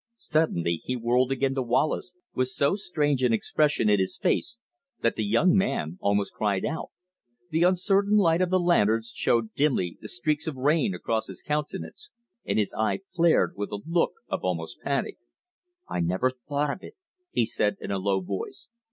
Suddenly he whirled again to Wallace with so strange an expression in his face that the young man almost cried out. The uncertain light of the lanterns showed dimly the streaks of rain across his countenance, and, his eye flared with a look almost of panic. "I never thought of it!" he said in a low voice.